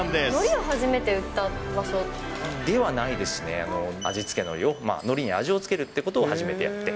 海苔を初めて売った場所？ではないですね、もう、味付け海苔を、海苔に味をつけるということを初めてやって。